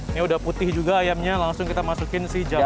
ini sudah putih juga ayamnya langsung kita masukkan si jamurnya